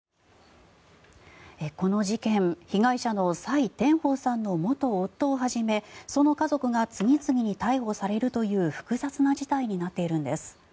この事件、被害者のサイ・テンホウさんの元夫をはじめその家族が次々に逮捕されるという複雑な事態になっているんです。